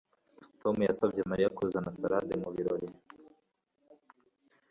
Tom yasabye Mariya kuzana salade mubirori